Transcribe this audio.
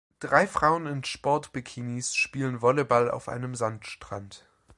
Drei Frauen in Sport-Bikinis spielen Volleyball auf einem Sandstrand.